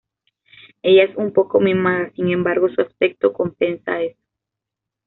Ella es un poco mimada sin embargo su aspecto compensa eso.